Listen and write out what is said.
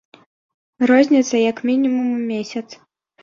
Розніца як мінімум у месяц!